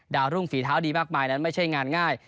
รุ่งฝีเท้าดีมากมายนั้นไม่ใช่งานง่าย